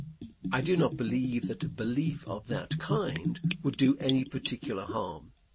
I do not believe that a belief of that kind would do any particular harm.